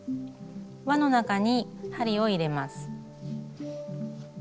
輪の中に針を入れます。